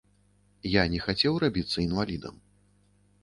Я не хацеў рабіцца інвалідам.